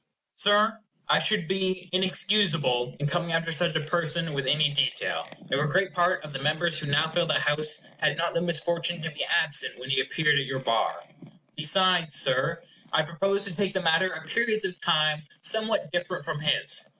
Sir, I should be inexcusable in coming after such a person with any detail, if a great part of the members who now fill the House had not the misfortune to be absent when he appeared at your bar. Besides, Sir, I propose to take the matter at periods of time somewhat different from his.